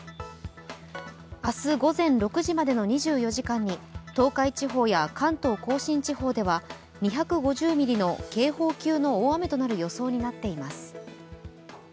明日午前６時までの２４時間に東海地方や関東甲信地方では２５０ミリの警報級の大雨となる予想になっています。